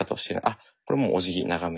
あっこれもうおじぎ長めにね。